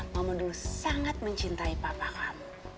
mama dulu sangat mencintai papa kamu